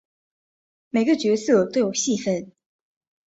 每个角色都有戏份